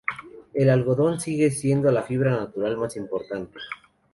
El algodón sigue siendo la fibra natural más importante.